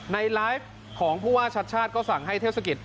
ในไลฟ์ของผู้ว่าชัดชาติก็สั่งให้เทศกิจ